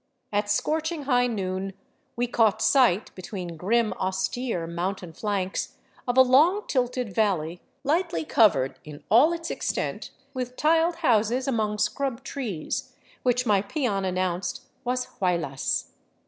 At scorch ing high noon we caught sight, between grim, austere mountain flanks, of a long, tilted valley lightly covered in all its extent with tiled houses among scrub trees, which my peon announced was Huaylas.